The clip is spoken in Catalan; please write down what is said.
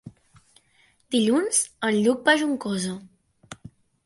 Dilluns en Lluc va a Juncosa.